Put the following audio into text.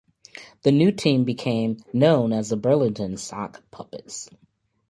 The new team became known as the Burlington Sock Puppets.